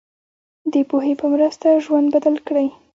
د پوهې په مرسته ژوند بدل کړئ.